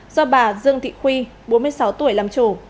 do bà dương thị khuy bốn mươi sáu tuổi làm chủ